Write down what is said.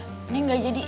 neng enggak jadi